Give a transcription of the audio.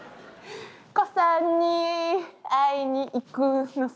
「胡さんに会いに行くのさ」